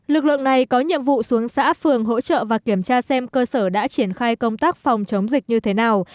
lực lượng này có nhiệm vụ xuống xã phường hỗ trợ và kiểm tra xem cơ sở đã triển khai công tác phòng chống dịch như thế nào